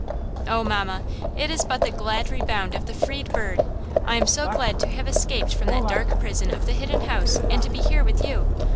"Oh, mamma; it is but the glad rebound of the freed bird! I am so glad to have escaped from that dark prison of the Hidden House and to be here with you.